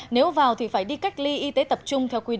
nếu vào thì phải đi cách ly y tế tập trung theo quy định